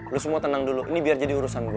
lu semua tenang dulu ini biar jadi urusan gue